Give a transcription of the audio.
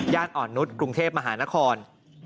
อ่อนนุษย์กรุงเทพมหานคร